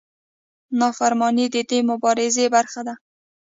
نافرماني د دې مبارزې برخه ده.